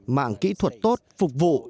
mạng kỹ thuật tốt phục vụ